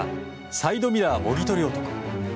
サイドミラーもぎ取り男。